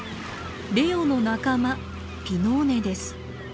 レオの仲間ピノーネです。